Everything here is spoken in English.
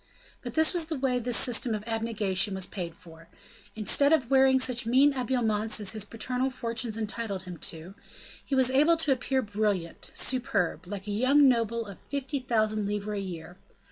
But this was the way this system of abnegation was paid for: instead of wearing such mean habiliments as his paternal fortunes entitled him to, he was able to appear brilliant, superb, like a young noble of fifty thousand livres a year.